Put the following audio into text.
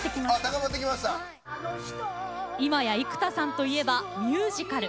今や生田さんといえばミュージカル。